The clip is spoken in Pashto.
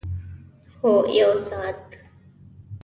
هو، یوه ساعت